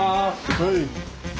はい。